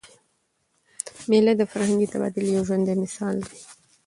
مېلې د فرهنګي تبادلې یو ژوندى مثال دئ.